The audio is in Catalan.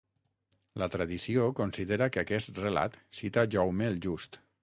La tradició considera que aquest relat cita Jaume el Just.